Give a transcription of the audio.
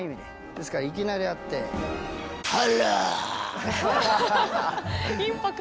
ですからいきなり会ってインパクト。